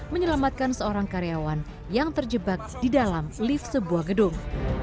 menyelamatkan seorang karyawan yang terjebak di dalam lift sebuah gedung